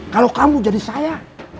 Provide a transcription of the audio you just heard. kalau kamu jadi saya